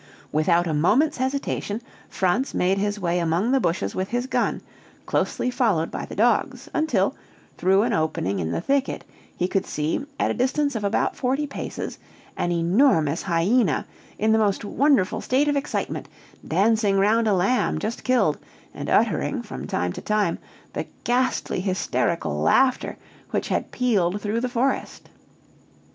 Without a moment's hesitation, Franz made his way among the bushes with his gun, closely followed by the dogs; until, through an opening in the thicket, he could see, at a distance of about forty paces, an enormous hyena, in the most wonderful state of excitement; dancing round a lamb just killed, and uttering, from time to time, the ghastly hysterical laughter which had pealed through the forest.